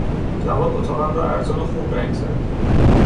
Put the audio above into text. جواد اتاقم را ارزان و خوب رنگ زد.